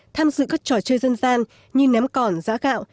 tham dự các trò chơi dân gian như ném cỏn giã gạo